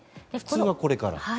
普通はこれから。